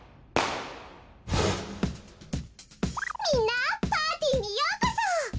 みんなパーティーにようこそ！